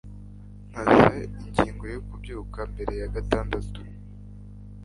Ntanze ingingo yo kubyuka mbere ya gatandatu.